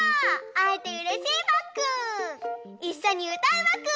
あえてうれしいバク！